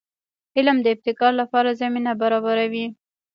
علم د ابتکار لپاره زمینه برابروي.